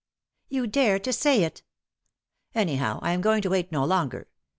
" You dare to say it I " "Anyhow, I am going to wait no longer.